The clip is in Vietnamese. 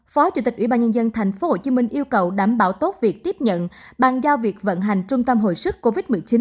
phó chủ tịch ủy ban nhân dân tp hcm yêu cầu đảm bảo tốt việc tiếp nhận bàn giao việc vận hành trung tâm hồi sức covid một mươi chín